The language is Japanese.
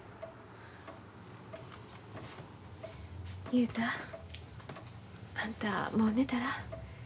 雄太あんたもう寝たら？